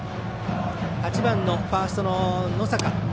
８番のファースト、能坂。